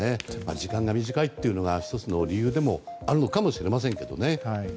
時間が短いというのが１つの理由でもあるのかもしれませんけどね。